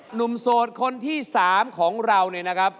หนุ่มโสดคนที่๓ของเรานะครับ